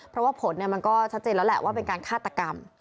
เพราะว่าผลมันก็ชัดเจนแล้วแหละว่าเป็นการฆาตกรรม